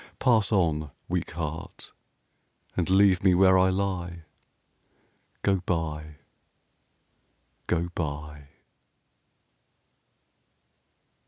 Pass on, weak heart, and leave me where I lie: Go by, go by.